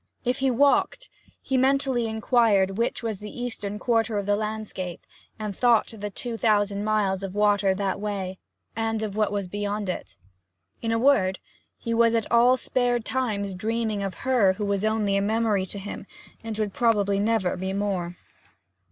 If he walked, he mentally inquired which was the eastern quarter of the landscape, and thought of two thousand miles of water that way, and of what was beyond it. In a word he was at all spare times dreaming of her who was only a memory to him, and would probably never be more.